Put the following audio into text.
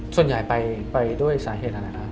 ส่วนใหญ่ไปด้วยสาเหตุอะไรครับ